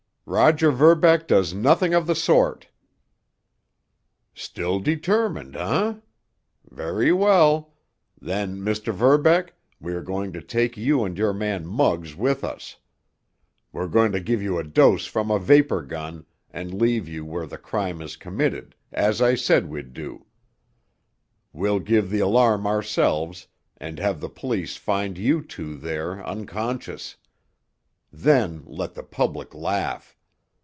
"Roger Verbeck does nothing of the sort!" "Still determined, eh? Very well. Then, Mr. Verbeck, we are going to take you and your man Muggs with us. We're going to give you a dose from a vapor gun and leave you where the crime is committed, as I said we'd do. We'll give the alarm ourselves and have the police find you two there unconscious. Then let the public laugh!